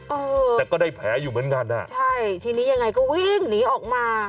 เออแต่ก็ได้แผลอยู่เหมือนกันอ่ะใช่ทีนี้ยังไงก็วิ่งหนีออกมา